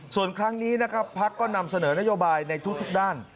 ส่วนครั้งนี้นะครับพักก็นำเสนอนโยบายในทุกด้าน